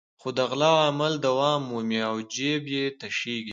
خو د غلا عمل دوام مومي او جېب یې تشېږي.